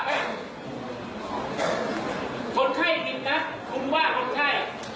คนไข้จริงนะคุณว่าคนไข้